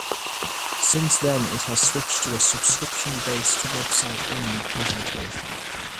Since then it has switched to a subscription-based website only presentation.